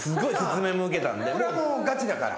これはもうガチだから。